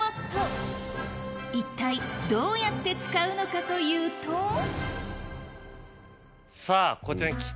一体どうやって使うのかというとさぁこちらに。